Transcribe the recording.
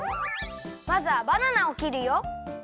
まずはバナナをきるよ。